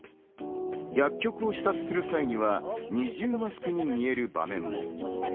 薬局を視察する際には、二重マスクに見える場面も。